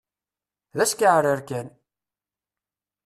D askeɛrer kan!